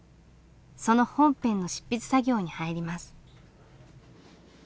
その本編の執筆作業に入ります。